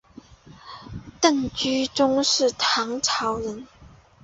郑居中是唐朝人。